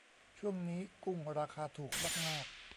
ช่วงนี้กุ้งราคาถูกมากมาก